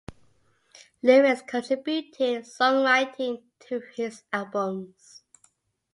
Lewis contributed songwriting to his albums.